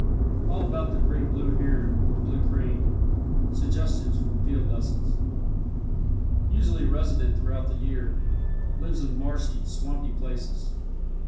ALL ABOUT THE GREAT BLUE HERON OR BLUE CRANE SUGGESTIONS FOR FIELD LESSONS Usually resident throughout the year. Lives in marshy, swampy places.